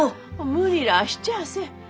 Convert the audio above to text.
無理らあしちゃあせん。